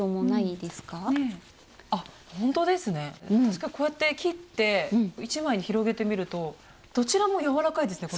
確かにこうやって切って１枚に広げてみるとどちらも柔らかいですね